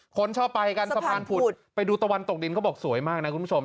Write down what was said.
คนชอบไปกันสะพานผุดไปดูตะวันตกดินเขาบอกสวยมากนะคุณผู้ชม